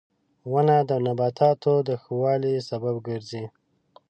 • ونه د نباتاتو د ښه والي سبب ګرځي.